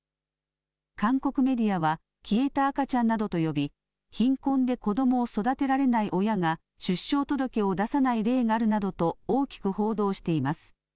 韓国メディアは消えた赤ちゃんなどと呼び貧困で子どもを育てられない親が出生届を出さない例があるなどと大きく報道しています。